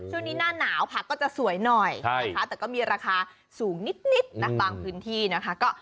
หน้าหนาวผักก็จะสวยหน่อยนะคะแต่ก็มีราคาสูงนิดนะบางพื้นที่นะคะ